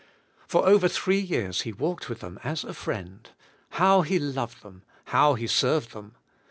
For over three years He walked with them as a friend. How He loved them! How He served them!